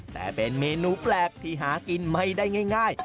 แต่เป็นเมนูแปลกที่หากินไม่ได้ง่าย